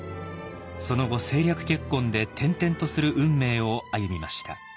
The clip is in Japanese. その後政略結婚で転々とする運命を歩みました。